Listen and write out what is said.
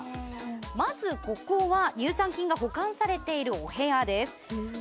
まずここは乳酸菌が保管されているお部屋です。